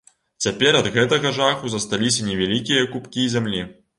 Цяпер ад гэтага жаху засталіся невялікія купкі зямлі.